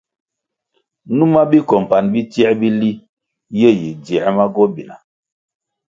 Numa bicompanʼ bitsiē bili ye yi dziē ma gobina.